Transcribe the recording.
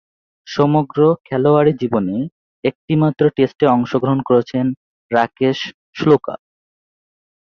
সমগ্র খেলোয়াড়ী জীবনে একটিমাত্র টেস্টে অংশগ্রহণ করেছেন রাকেশ শুক্লা।